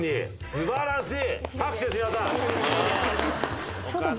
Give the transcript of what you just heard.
素晴らしい！